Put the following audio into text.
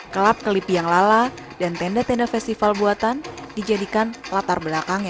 kelap kelipi yang lala dan tenda tenda festival buatan dijadikan latar belakangnya